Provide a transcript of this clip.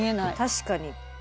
確かに。